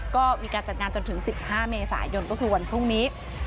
ก็มีการจัดงานจนถึง๑๕เมษายนก็คือวันพรุ่งนี้